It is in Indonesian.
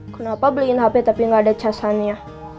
kenapa beliin hp tapi nggak ada casannya